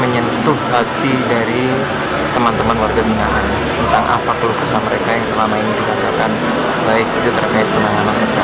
menyentuh hati dari teman teman warga binaan tentang apa kelukesan mereka yang selama ini dirasakan baik itu terkait penanganan mereka